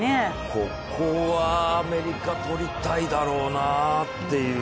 ここはアメリカ、取りたいだろうなっていう。